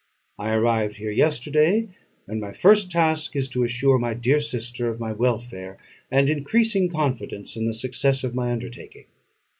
I arrived here yesterday; and my first task is to assure my dear sister of my welfare, and increasing confidence in the success of my undertaking.